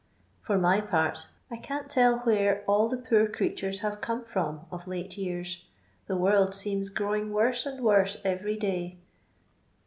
Fur my part 1 can't tell where all the poor creatures have come from of late years ; the world seems growing worse and worse every day.